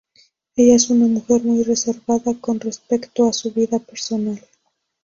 Ella es una mujer muy reservada con respecto a su vida personal.